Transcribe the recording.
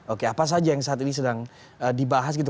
oke apa saja yang saat ini sedang dibahas gitu